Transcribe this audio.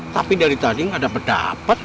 tapi dari tadi gak dapet dapet